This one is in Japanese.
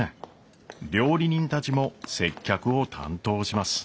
料理人たちも接客を担当します。